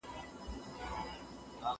زه پرون زده کړه وکړه.